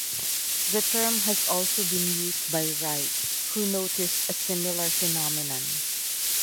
The term has also been used by Wright, who noticed a similar phenomenon.